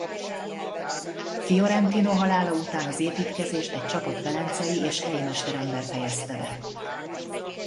Fiorentino halála után az építkezést egy csapat velencei és helyi mesterember fejezte be.